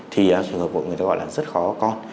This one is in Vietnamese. thì trường hợp của người ta gọi là rất khó có con